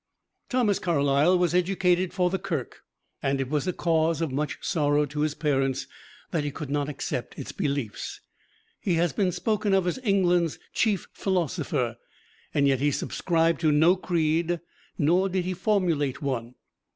Thomas Carlyle was educated for the Kirk, and it was a cause of much sorrow to his parents that he could not accept its beliefs. He has been spoken of as England's chief philosopher, yet he subscribed to no creed, nor did he formulate one.